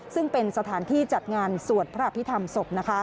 ซึ่งเป็นสถานที่จัดงานสวดพระอภิษฐรรมศพ